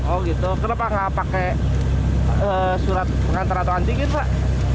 oh gitu kenapa gak pakai surat pengantar atau anti gitu pak